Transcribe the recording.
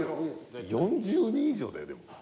４０人以上だよでも。